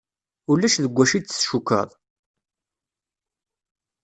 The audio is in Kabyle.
Ulac deg wacu i d-tcukkeḍ?